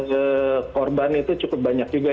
sebetulnya di hampir seluruh tempat di indonesia juga